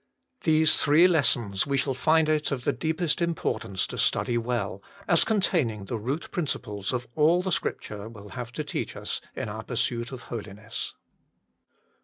These three lessons we shall find it of the deepest im portance to study well, as containing the root principles of all the Scripture will have to teach us in our pursuit of Holiness.